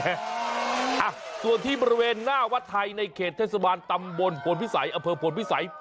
อ่ะส่วนที่บริเวณหน้าวัดไทยในเขตเทศบาลตำบลพลพิสัยอำเภอพลพิสัย